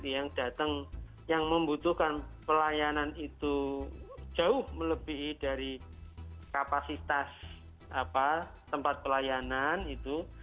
yang datang yang membutuhkan pelayanan itu jauh melebihi dari kapasitas tempat pelayanan itu